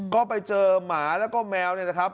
ก็ไปเจอหมาแล้วก็แมวเนี่ยนะครับ